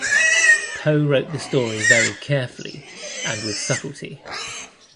Poe wrote the story very carefully and with subtlety.